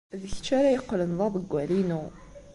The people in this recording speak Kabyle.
D kečč ara yeqqlen d aḍewwal-inu.